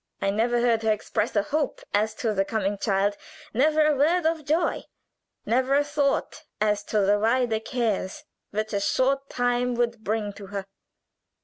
I never heard her express a hope as to the coming child, never a word of joy, never a thought as to the wider cares which a short time would bring to her.